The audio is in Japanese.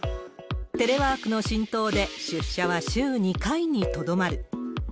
テレワークの浸透で出社は週２回にとどまる。